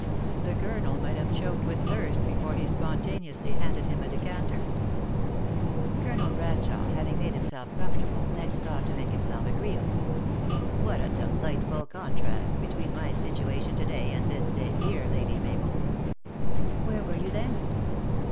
The colonel might have choked with thirst before he spontaneously handed him a decanter. Colonel Bradshawe having made himself comfort able, next sought to make himself agreeable. " What a delightful contrast between my situation to day, and this day year, Lady Mabel." " Where were you then